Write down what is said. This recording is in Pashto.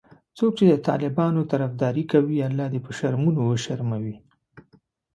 څوک چې د طالبانو طرفداري کوي الله دي په شرمونو وشرموي